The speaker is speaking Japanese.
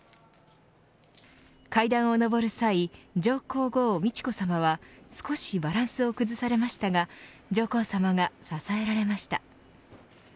階段を上る際、上皇后さまは少しバランスを崩されましたが上皇さまが支えられました。